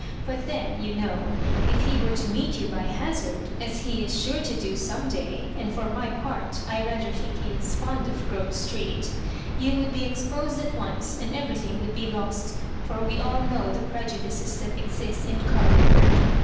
But then, you know, if he were to meet you by hazard, as he is sure to do some day — and for my part I rather think he is fond of Grove Street— you would be exposed at once, and everything would be lost, for we alllcnow the prejudices that exist in Car lingford.